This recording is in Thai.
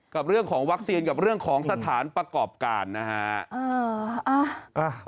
กับเรื่องของวัคซีนกับเรื่องของสถานประกอบการนะฮะ